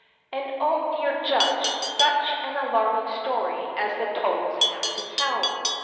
And oh, dear judge, such an alarming story as the toads have to tell